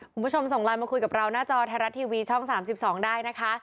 คุณผู้ชมส่งไลน์มาคุยกับเราหน้าจอไทยรัฐทีวีช่อง๓๒ได้นะคะ